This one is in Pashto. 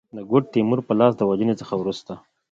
د ګوډ تیمور په لاس د وژني څخه وروسته.